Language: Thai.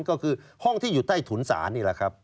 ก็คือห้องที่อยู่ใต้ถุนศาลนี่แหละครับ